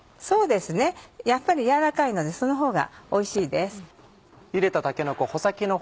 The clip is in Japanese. そうですねやっぱり柔らかいのでそのほうがおいしいです。